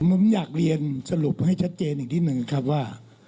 ผมอยากเรียนสรุปให้ชัดเจนอีกนิดนึงครับว่า